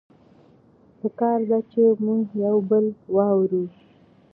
پکار ده چې مونږه يو بل واورو